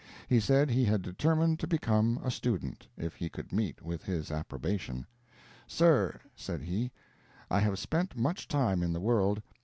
He said he had determined to become a student, if he could meet with his approbation. "Sir," said he, "I have spent much time in the world.